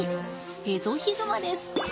エゾヒグマです。